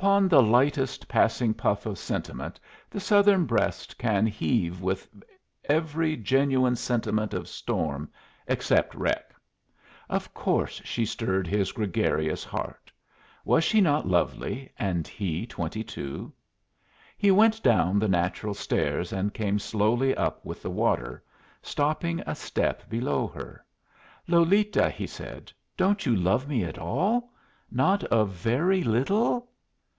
Upon the lightest passing puff of sentiment the Southern breast can heave with every genuine symptom of storm, except wreck. Of course she stirred his gregarious heart. Was she not lovely and he twenty two? He went down the natural stairs and came slowly up with the water, stopping a step below her. "Lolita," he said, "don't you love me at all? not a very little?"